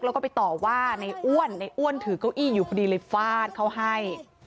แล้วก็ไปต่อว่าในอ้วนในอ้วนถือเก้าอี้อยู่พอดีเลยฟาดเขาให้